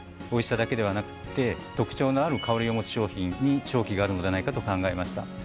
おいしさだけではなくって特徴のある香りを持つ商品に商機があるのではないかと考えました。